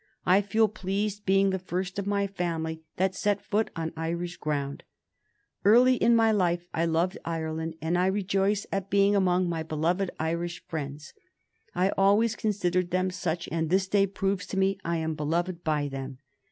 I feel pleased being the first of my family that set foot on Irish ground. Early in my life I loved Ireland, and I rejoice at being among my beloved Irish friends. I always considered them such, and this day proves to me I am beloved by them."